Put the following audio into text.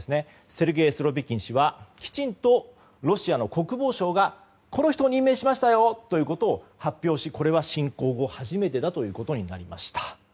セルゲイ・スロビキン氏はきちんとロシアの国防省がこの人を任命しましたよということを発表し、これは侵攻後初めてだとなりました。